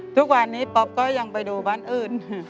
ทุกวันนี้ป๊อปก็ยังไปดูบ้านอื่น